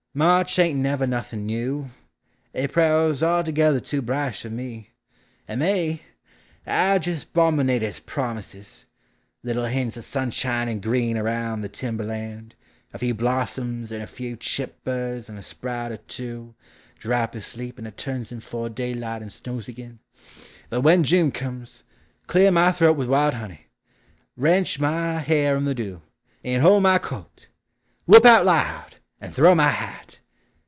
March ain't never nothin' new! Aprile 's altogether too Brash fer me! and May I jes' 'Dominate its promises. Little hints o' sunshine and Green around the timber land A few blossoms, and a few Chip birds, and a sproill er two 112 POEMS OF XATUBE. Drap asleep, and it turns in 'Fore daylight and snows agin !— But when June comes — Clear my throat With wild honey! Rench my hair In the dew! and hold my coat! Whoop out loud ! and throw my hat